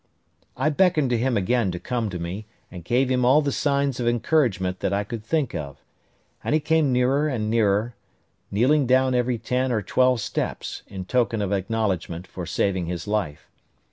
I beckoned to him again to come to me, and gave him all the signs of encouragement that I could think of; and he came nearer and nearer, kneeling down every ten or twelve steps, in token of acknowledgment for saving his life.